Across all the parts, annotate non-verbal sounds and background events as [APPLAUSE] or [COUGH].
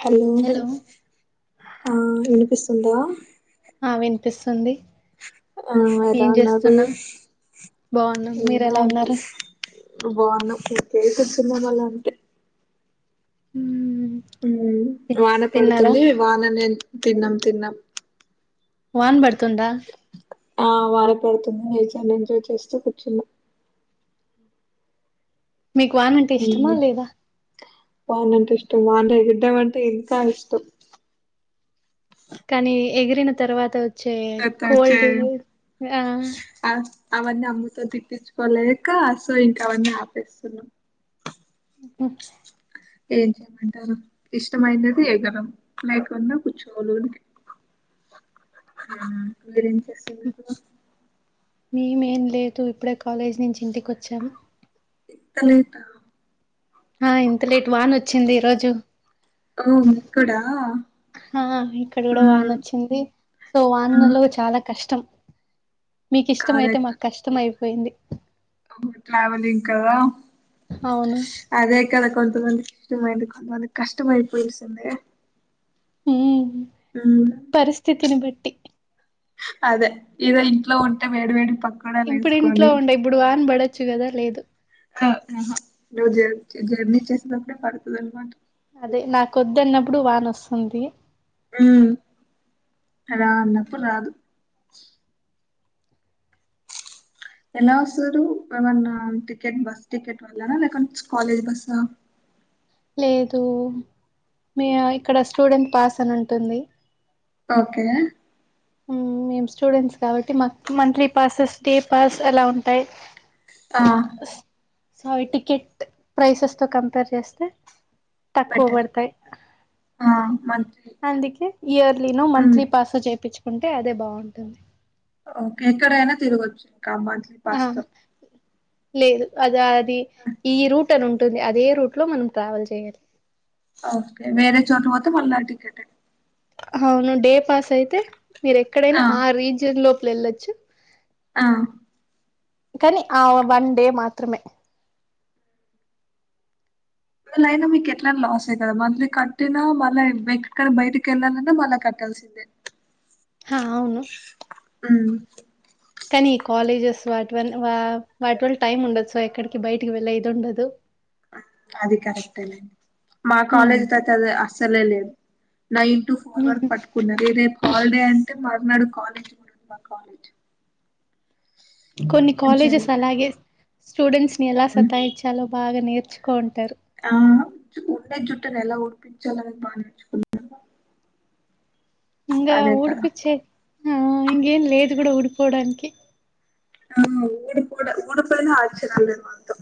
Hello ఆ వినిపిస్తుందా ఆ వినిపిస్తుంది ఉ ఎలా ఏం ఉన్నాది చేస్తున్నా బాగున్నాం మీరు అయినా ఎలా అంతె ఉన్నారు బాగున్నా ఉరికే కూర్చున్నాం అలా అంతే ఉ ఉ వాన పడుతుంది వాన నే తిన్నాం తిన్నాం వాన పడుతుందా ఆ వార పడుతుంది నేచర్ ని ఎంజాయ్ చేస్తూ కూర్చున్నా మీకు వానంటే ఇష్టమా మ్మ్ లేదా వాన అంటె ఇష్టమా అంటే గిడ్ద్దమంటే ఇంకా ఇష్టం కానీ ఎగిరిన తర్వాత వచ్చే చే కోల్డ్ ఆ ఆ అవన్నీ అమ్ముతో తిప్పించుకోలేక సో ఇంకా అవన్నీ ఆపేస్తున్నాం ఉ ఏం చేయమంటారు ఇష్టమయినది ఎగరం లేకున్న కూర్చోలో [INAUDIBLE] ఆ మీరేం చేస్తున్నారు మేమేం లేదు ఇప్పుడే కాలేజీ నుంచి ఇంటికి వచ్చాం ఇంత లెటా ఆ ఇంత లేటు వాన వచ్చింది ఈ రోజు అ ఓక్కడా ఆ ఇక్కడ కూడా వాన్ వచ్చింది సో మ్మ్ వాన్లో చాలా కష్టం మీకు ఇష్టమయితే కరెక్ట్ మాకు కష్టం అయిపోయింది ట్రావెలింగ్ కదా అవును అదే కదా కొ కొందరికి కష్టమయిపోయి సంది ఉ పరిస్థితిని బట్టి అదే ఈరోజు ఇంట్లో ఉంటే వేడి వేడి పకోడాలు ఇప్పుడు ఇంట్లో వేసుకొని ఉండ ఇప్పుడు వాన్ పడొచ్చు కదా లేదు ఆహా నువ్వు జ జర్నీ చేసేటప్పుడే పడుతది అన్నమాట అదే నాకొద్దున్నప్పుడు వానొస్తుంది ఉ రా అన్నప్పుడు రాదు ఎలా వస్తారు ఏమన్నా టికెట్ బస్ టికెట్ వల్ల లేక కాలేజ్ బసా [INAUDIBLE] ఎటో మీ ఇక్కడ స్టూడెంట్ పాస్ అని ఉంటుంది ఓకే ఉ మేం స్టూడెంట్స్ కాబట్టి మాకు మంత్లీ పాసెస్ డే పాస్ ఆలా ఉంటాయి ఆ సో అవి టికెట్ ప్రైసెస్ తో కంపేర్ చేస్తే తక్కువ బెటర్ పడతాయి ఆ! మంత్లీ. అందుకే ఇయర్లీ నో హ్మ్. మంత్లీ పాస్ ఓ చెపిచూకుంటే అదే బాగుంటుంది ఓకే ఎక్కడైనా తిరగొచ్చు ఇంకా మంత్లీ ఆ పాస్ తో లేదు అది అది ఈ రూట్ అని ఉంటుంది అదే రూట్ లో మనం ట్రావెల్ చేయాలి ఆ ఓకే వేరే చోటు పోతే మళ్ళ టికెట్టు అవును డే పాస్ అయితే మీరు ఎక్కడైనా ఆ రీజియన్ లోపల వెళ్లొచ్చు ఆ కానీ ఆ వన్ డే మాత్రమే అయినా మీకు ఎట్లా లాస్ ఎ కదా మంత్లీ కట్టినా మళ్ళ ఎక్కడ బయటకెళ్ళాలన్నా మళ్ళ కట్ ట్టాల్సిందే హా అవును ఉమ్ కానీ ఈ కాలేజెస్ వాటి వ వా వాటి వల్ల టైం ఉండదు సో ఎక్కడికి బయటికి వెళ్ళ ఇది ఉండదు అది కరెక్టేనండి మా హ్మ్. కాలేజీతో అయితే అది అస్సలే లేదు నైన్ టు ఫోర్ హ్మ్. వర్క్ పట్టుకున్నారు రేపు హాలిడే అంటే మర్నాడు కాలేజ్ డుమ్మా కాలేజ్ కొన్ని ఏం కాలేజెస్ చేయాలో తె అలాగే స్టూడెంట్స్ ని ఎలా హ్మ్. సతాయించలో బాగా నేర్చుకోంటారు ఆ ఉండే జుట్ట నెలా ఉడిపించాలో అనేది బాగా నేర్చుకుంటారు ఇంకా ఊడిపచ్చే ఆ ఇంకేం లేదు కూడా ఊడిపోవడానికి ఆ ఊడిపోట ఊడిపోయిన ఆచర్యం లేదు మనతో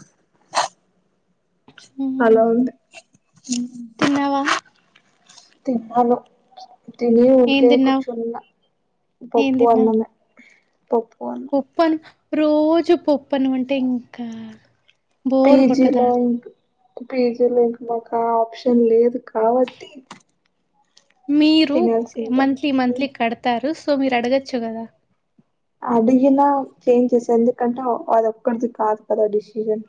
హ్మ్. అలా ఉంది ఉమ్ తిన్నావా తిన్నాను తినీ ఏం ఉరికే తిన్నావ్ కూర్చున్న పప్పు అన్నమే పప్పు అన్నం పప్పన్ రోజు పప్పనం అంటే ఇంకా బోర్ పీజీ కొట్టదా లో ఇంక్ పేజీలో ఇంక మాకు ఆ ఆప్షన్ లేదు కాబట్టి మీరు తినాల్సిందే మంత్లీ ఉమ్. మంత్లీ కడతారు సో మీరు అడగచ్చు కదా అడిగిన చేంజ్ చేసారు ఎందుకంటే అది ఒక్కడిది కాదు కదా డిసిజన్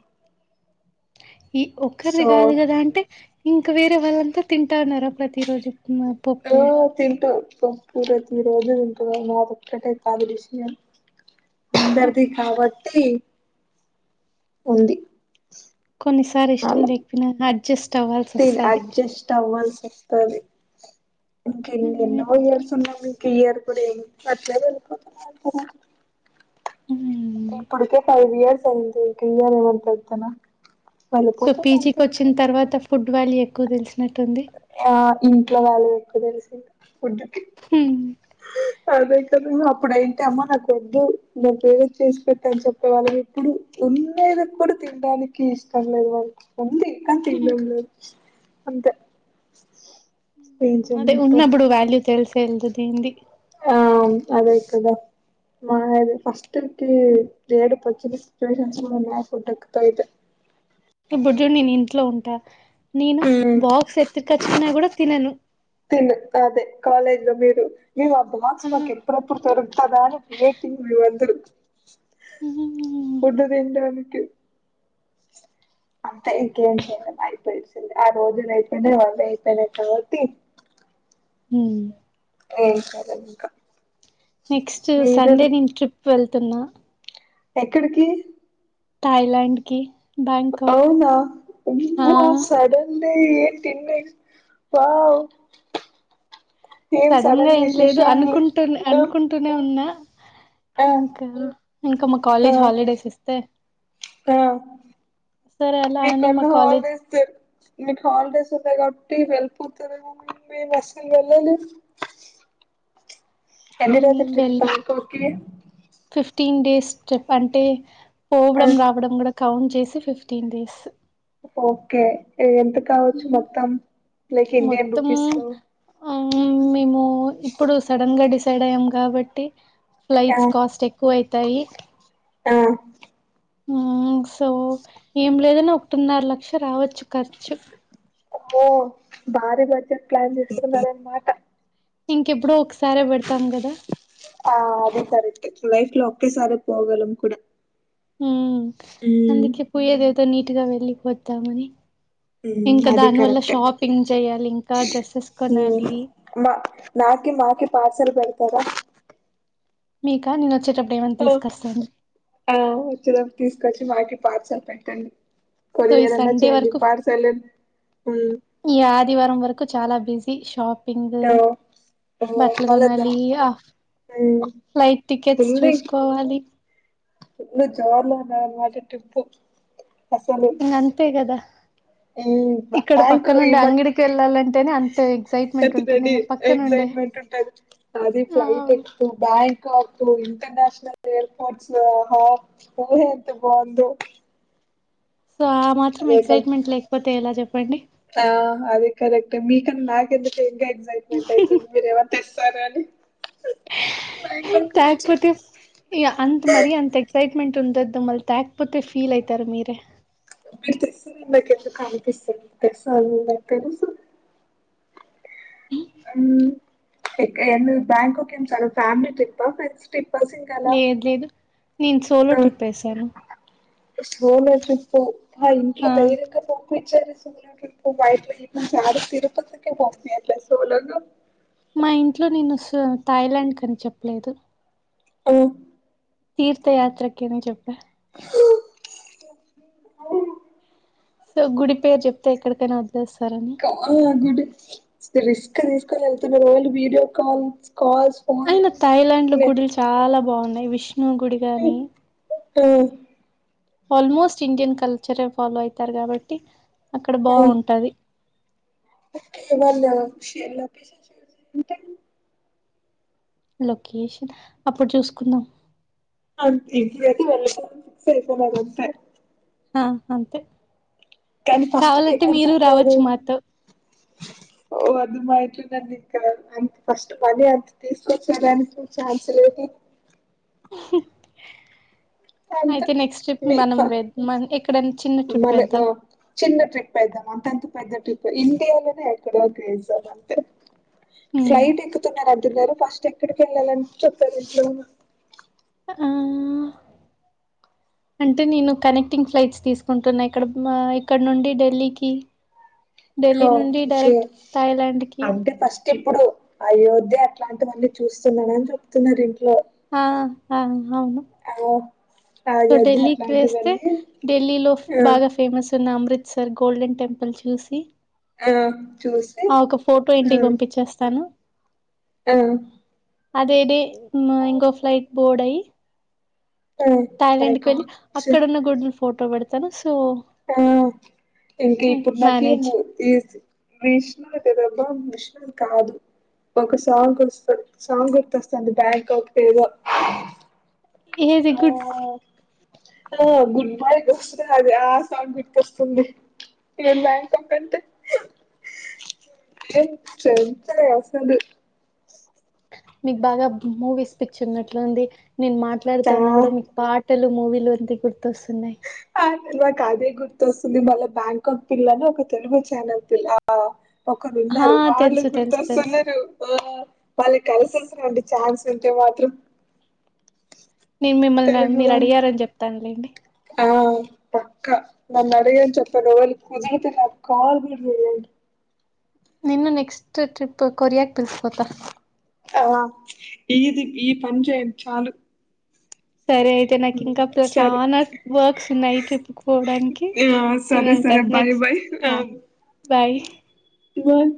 ఈ ఒక్కరిది సో కాదు కదా అంటే ఇంకా వేరే వాళ్ళంతా తింటాన్నారా ప్రతిరోజు ఆ తింటు పా ఈరోజు [UNINTELLIGIBLE] నాది ఒక్కటే కాదు డిసిషన్ అందరిది కాబట్టి ఉంది కొన్నిసార్లు ఇష్టం లేకపోనా అడ్జస్ట్ అవ్వాల్సి తే వస్తది అడ్జెస్ట్ అవ్ వస్తది ఇంకా ఎన్నెన్నో ఇయర్స్ ఉండాలి ఇంకా ఈ ఇయర్ కూడా [UNINTELLIGIBLE] హ్మ్ ఇప్పుటికే ఫైవ్ ఇయర్స్ అయింది ఇంకా ఈ ఇయర్ [UNINTELLIGIBLE] సో వెళ్ళిపోతుంది పీజికి అంతే ఇంకా వచ్చిన తర్వాత ఫుడ్ వాల్యూ ఎక్కువ తెలిసినట్టుంది ఆ ఇంట్లో వాల్యూ ఎక్కువ తెలిసింది ఫుడ్ ఉమ్ అదే కద అప్పుడు అయింట అమ్మా నాకు వద్దు నాకీ వేరే చేసి పెట్టు అని చెప్పేవాళ్ళం ఇప్పుడు ఎండయిన కూడా తినడానికి ఇష్టం లేదు వా ఉంది కానీ హ్మ్ తినడం లేదు అంతే ఏం ఉమ్ అదే చేయమంటారు ఉన్నప్పుడు వాల్యూ తెలిసే వెల్దు దీనింది ఆ అదే కదా మాది ఫస్ట్కి ఏడుపూ వచ్చింది సిట్యూవేషన్స్ వల్ల [UNINTELLIGIBLE] ఇప్పుడు చూడు నేను ఇంట్లో ఉంటా నేను ఉమ్, బాక్స్ ఎత్తుకచ్చుకున్నా కూడా తినను తిను అదే కాలేజ్ లో మీరు మీ ఆ బాక్స్ మాకు ఎప్పుడప్పుడు దొరుకుతదా అని వెయిటి మూడు వందలు ఉన్నదింగా అంతే అంత ఇంకేం చేయలేము అయిపోలిసింది ఆ రోజులు అయితేయినే వళ అయిపోయినాయి కాబట్టి ఉ ఏం కాలేదు ఇంకా నెక్స్ట్ మీరు సండే నేను ట్రిప్ వెళ్తున్నా ఎక్కడికి థాయిలాండ్కి అవునా ఇంత సడెన్ ఏం త్రిల్లింగ్ వావ్ ఏం గా సడన్ ఏం లేదు విశేషాలు అనుకుంటు ఆ అనుకుంటూనే ఉన్నా ఇంకా ఇంకా మా ఆ కాలేజ్ హాలిడేస్ ఇస్తే ఆ సరే అలా అని మా మీకన్న కాలేజ్ హాలిడేస్ దొర్ మీకు హాలిడేస్ ఉన్నాయి కాబట్టి వెళ్ళిపోతారెమో మేము అసలు వెళ్ళాలేము ఎన్ని రోజుల మేము ట్రిప్ వెళ్ళి [UNINTELLIGIBLE] ఫిఫ్టీన్ డేస్ ట్రిప్ అంటే పోవడం రావడం కూడా కౌంట్ చేసి ఫిఫ్టీన్ డేస్ ఓకే ఎంత కావచ్చు మొత్తం లైక్ ఇండియన్ మొత్తం రూపీస్ లో ఆ మేము ఇప్పుడు సడన్ గా డిస్ సడం కాబట్టి ఆ ఫ్లైట్స్ కాస్ట్ ఎక్కువ అయితాయి ఆ ఊ సో ఏం లేదనే ఒకటిన్నర లక్ష రావచ్చు ఖర్చు అమ్మో భారీ బడ్జెట్ ప్లాన్ తీసుకున్నారన్నమాట ఇంకెప్పుడో ఒకసారే పెడతాం కదా ఆ అదే కరెక్టే లైఫ్ లో ఒకే సారి పోగలం కూడా హూ ఉమ్ అందుకే పోయేది ఏదో నీటు గా వెళ్లిపోదామని ఉమ్ ఇంకా అది దాని వల్ల కరెక్టే షాపింగ్ చేయాలి ఇంకా డ్రెస్సెస్ ఉమ్ కొనాలి మా నాకి మాకి పార్సెల్ పెడతాద మీకా నేను వచ్చెట డు ఆ ఆ వచ్చేటప్పుడు తీసుకొచ్చి మాకి పార్సల్ పెట్టండి సో ఈ కొరియర్ అన్నా సండే చేయండి వరకు పార్సల్ ఉమ్ ఈ ఆదివారం వరకు చాలా బిజీ షాపింగ్ తో ఓ బట్టలు మళ్ళద్దా కొనాలి ఆ ఉమ్ ఫ్లైట్ టికెట్స్ చూసుకోవాలి ఇన్న జాలీగా ఉండాలనమాట టిప్పు ఇంగ్ అంతే కదా ఇంకా ఇక్కడ నాకు ఈ పక్కనుండే మధ్ అంగడికి వెళ్ళాలంటేనే అంత ఎగ్సైట్మెంట్ పెద్ ఉంటుంది రెడీ ఇంక ఎక్సై పక్కనుండే మెంట్ ఉంటది అది ఆ ఫ్లైట్ ఎక్ బ్యాంకాక్ ఇంటర్న్యాషనల్ ఏర్పోర్ట్స్ ఆహా ఊహ ఎంత బాగుందో సో ఆ మాత్రం అదే కదా ఎక్సైట్మెంట్ లేకపోతే ఎలా చెప్పండి అంటే మీకన్నా నాకెందుకే ఇంకా ఎగ్జైట్మెంట్ అవుతుంది మీరు ఏమన్నా తెస్తారు అని బ్యాంకాక్ నుంచి తేకపోతే ఈ అంత మరి అంత ఎక్సైట్మెంట్ ఉండద్ త మల్ తేకపోతే ఫీల్ అయితారు మీరే మీరు తెస్తారు నాకు ఎందుకో అనిపిస్తుంది తెస్తారని నాకు తెలుసు ఉమ్ ఎక్ ఎందు బ్యాంకక్ ఏం ఫ్యామిలీ ట్రిప్ ఫ్రెండ్స్ ట్రిప్ లేద్ లేదు నేను సోలో ట్రిప్ వేసాను సోనో ట్రిప్పు ఆ ఇంట్లో ధైర్యంగా పంపిచ్చారు సోలగ ట్రిప్ బయటికి ఇట్ల తిరుపతి కే పంపియట్లేదు అట్ల సోలోగా మా ఇంట్లో నేను సో థాయ్లాండ్ కని చెప్పలేదు ఉమ్ తీర్థ యాత్రకని చెప్పా సో గుడి పేరు చెప్తే ఎక్కడికైనా వద్ కాదు గుడ్ రిస్క్ తీసుకొని వెళ్తున్నారు కదా వీడియో కాల్స్ కాల్స్ ఫోన్ అయినా థాయ్లాండ్ లో గుడిలు చాలా బా బాగున్నాయ్ విష్ణు గుడి గాని ఆల్మోస్ట్ ఇండియన్ కల్చరే ఫాలో అయితారు కాబట్టి అక్కడ బాగుంటాది. ఓకే ఇవాళ్నే వచ్చి లొకేషన్ అప్పుడు చూసుకుందాం. అంతే ఇంటి సరిపోయినాది అంతే ఆ అంతే కానీ ఫస్ట్ కి కావాలంటే ఎక్కడ మీరు చెప్పారు రావచ్చు మాతో ఓ అది మా ఇట్ నన్ను ఇంకా అంత ఫస్ట్ మనీ అంత తీసుకొచ్చడానికి ఛాన్స్ లేదు హ్మ్ అంత అయితే నెక్స్ట్ ట్రిప్ మీ మనం ప వెద్ మన ఎక్కడైనా చిన్న ట్రిప్ మన వేద్దాం ఒ చిన్న ట్రిప్ పెద్దమా అంతంత పెద్ద ట్రిప్ ఇండియాలోనే ఎక్కడో గేజాం అంతే హ్మ్ ఫ్లైట్ ఎక్కుతున్నారు అంటున్నారు ఫస్ట్ ఎక్కడికి వెళ్ళాలంట్ చెప్పారు ఇంట్లో ఆ అంటే నేను కనెక్టింగ్ ఫ్లైట్స్ తీసుకుంటున్నా ఇక్కడ మా ఇక్కడ నుండి ఢిల్లీకి ఢిల్లీ నుండి ఓకే డైరెక్ట్ థాయ్లాండ్ కి అంటే ఫస్ట్ ఇప్పుడు అయోధ్య అట్లాంటివన్నీ చూస్తున్నాడని చెప్తున్నారు ఇంట్లో ఆ ఆ హవును ఆవ్ సో ఢిల్లీకి వేస్తే ఢిల్లీ లో ఆ బాగా ఫేమస్ ఉన్నా అం అమృత్సర్ గోల్డెన్ టెంపుల్ చూసి ఆ చూసి ఆ ఒక ఫోటో ఇంటికి ఉమ్ పంపిచేస్తాను ఆ అదే డే మ్ ఇంగో ఫ్లైట్ బోర్డ్ ఐ ఆ థాయ్ లాండ్ కి బయటకు వెళ్ళి వచ్చి అక్కడన్న గుడ్ల్ ఫోటో పెడతాను సో ఆ ఇంకీ ఇప్పుడు నాకీమ్ మేనేజ్ ఈ విష్ణువు తెదెబ్బా విష్ణువు కాదు ఒక సాంగ్ వస్త్ సాంగ్ గుర్తొస్తాంది బ్యాంకాక్ ఏదో ఏది ఆ గుడ్ ఆ గుడ్ బై కోసరా అది ఆ సాంగ్ గుర్తొస్తుంది ఇవన్ బ్యాంకాక్ అంటే ఏం చెంతనే వస్తది మీకు బాగా మూవీస్ పిచ్చి ఉన్నట్లుంది నేను మాట్లాడుతన్నా చా కూడా మీకు పాటల్ మూవీ లోంది గుర్తొస్తున్నాయ్ నాకు అదే గుర్తొస్తుంది మళ్ళా బ్యాంకాక్ పిల్ల అని ఒక తెలుగు ఛానల్ పిల్ల ఆ ఒకరు ఆ ఉన్నారు వాళ్ళు తెలుసు తెలుసు తెలుసు గుర్తొస్తున్నారు ఆ వాళ్ళకి కలిసేసిరండి ఛాన్స్ ఉంటే మాత్రం నేను మిమ్మల్ని తెలుగు మీరు వాళ్ళు అడిగారని చెప్తానులేండి ఆ పక్కా నన్న అడిగేం చెప్పనవలి కుదుర్తల అ కాల్బడ ఏ నిన్ను నెక్స్ట్ ట్రిప్ కొరియాకి పిలుసుకుపోత ఆ ఇది ఈ పని చేయండి చాలు సరే అయితే నాకు ఇంకా ఉమ్, సరే చాలనా వర్క్స్ ఉన్నాయి ట్రిప్ కు పోవడానికి నేను ఉంటాను బయ్ నెక్స్ట్ బాయ్ ఆ బాయ్ ఇ వాన్